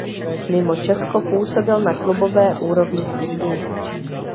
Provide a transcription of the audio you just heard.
Mimo Česko působil na klubové úrovni v Indii.